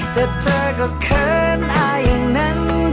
แต่เธอก็เขินอาอย่างนั้นที่จะต้องพูดมา